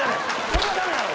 それはダメだろ！